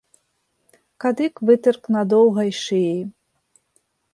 Кадык вытырк на доўгай шыі.